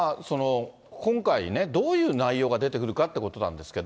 今回ね、どういう内容が出てくるかっていうことなんですけど。